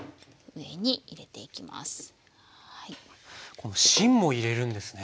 この芯も入れるんですね。